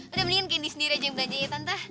udah mendingan kenny sendiri aja yang belanjanya tante